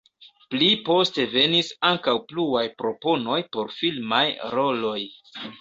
Pli poste venis ankaŭ pluaj proponoj por filmaj roloj.